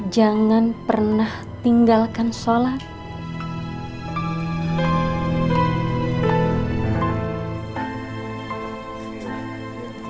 jangan pernah tinggalkan sholat